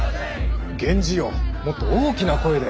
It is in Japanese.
源氏よもっと大きな声で。